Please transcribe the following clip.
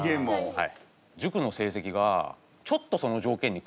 はい。